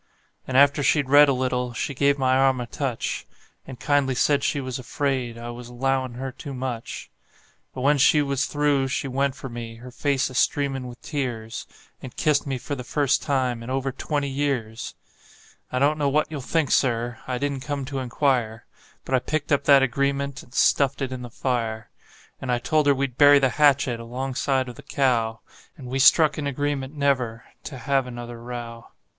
And after she'd read a little she give my arm a touch, And kindly said she was afraid I was 'lowin' her too much; But when she was through she went for me, her face a streamin' with tears, And kissed me for the first time in over twenty years! "AND KISSED ME FOR THE FIRST TIME IN OVER TWENTY YEARS!" I don't know what you'll think, Sir I didn't come to inquire But I picked up that agreement and stuffed it in the fire; And I told her we'd bury the hatchet alongside of the cow; And we struck an agreement never to have another row.